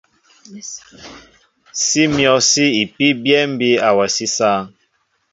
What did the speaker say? Sí myɔ̂ sí ipí byɛ̂ ḿbí awasí sááŋ.